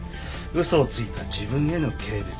嘘をついた自分への軽蔑。